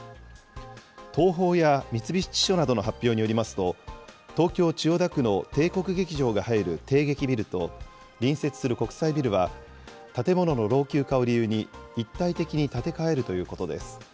東宝や三菱地所などの発表によりますと、東京・千代田区の帝国劇場が入る帝劇ビルと、隣接する国際ビルは、建物の老朽化を理由に、一体的に建て替えるということです。